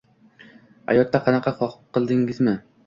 Hayotda yana qoqildingizmi